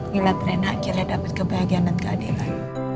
gila rena akhirnya dapet kebahagiaan dan keadilan